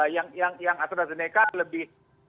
yang astrazeneca lebih